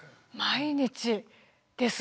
毎日ですよ。